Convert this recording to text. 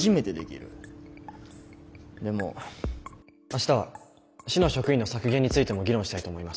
明日は市の職員の削減についても議論したいと思います。